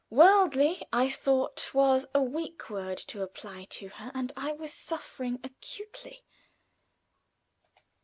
"Worldly," I thought, was a weak word to apply to her, and I was suffering acutely.